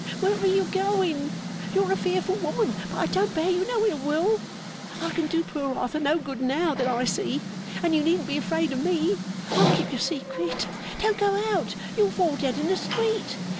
Where are you going? You're a fearful woman, but I don't bear you no ill will. I can do poor Arthur no good now, that I see; and you needn't be afraid of me. I'll keep your secret. Don't go out, you'll fall dead in the street.